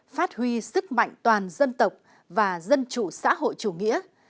phát huy sức mạnh toàn dân tộc và dân chủ xã hội chủ nghĩa